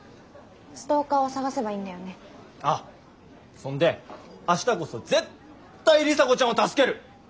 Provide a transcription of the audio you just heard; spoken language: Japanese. そんで明日こそ絶対里紗子ちゃんを助ける。